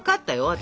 私。